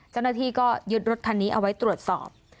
เจ้าหน้าที่ก็ยึดรถคันนี้เอาไว้ตรวจสอบ